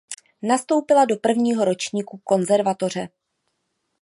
Nastoupila do prvního ročníku konzervatoře.